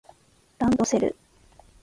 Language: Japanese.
ランドセル